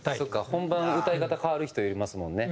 本番歌い方変わる人いますもんね。